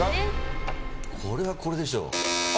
これは×でしょ。